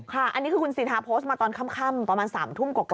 ค่ะอันนี้คือคุณสิทาโพสต์มาตอนค่ำประมาณ๓ทุ่มกว่า